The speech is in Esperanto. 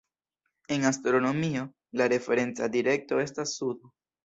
En astronomio, la referenca direkto estas sudo.